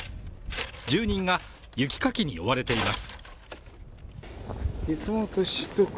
住人が雪かきに追われています。